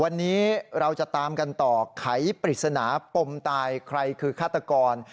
วันนี้เราจะตามกันต่อไขปริศนาปมตายใครคือฆาตกร